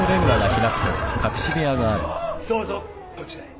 どうぞこちらへ。